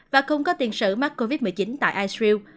và không có tiền sử mắc covid một mươi chín tại id